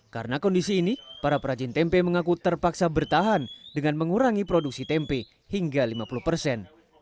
karena kondisi ini para perajin tempe mengaku terpaksa bertahan dengan mengurangi produksi tempe hingga lima puluh persen